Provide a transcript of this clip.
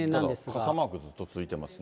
傘マークもずっとついてますね。